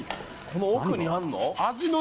この奥にあんの？